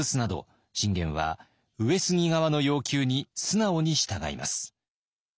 信玄は上杉側の要求に素直に従います。